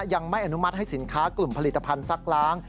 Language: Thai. ยังไม่อนุมัติให้สินค้ากลุ่มผลิตภัณฑ์ซักล้าง